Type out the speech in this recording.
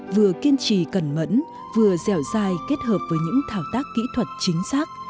vừa kiên trì cẩn mẫn vừa dẻo dài kết hợp với những thảo tác kỹ thuật chính xác